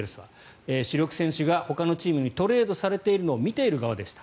主力選手がほかのチームにトレードされるのを見ている側でした。